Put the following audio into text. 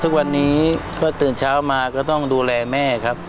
ทุกวันนี้ก็ตื่นเช้ามาก็ต้องดูแลแม่ครับ